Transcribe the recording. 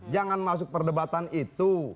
jangan masuk perdebatan itu